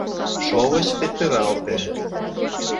Шовыч петыралте.